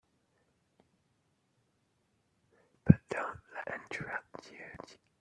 But don't let him interrupt you.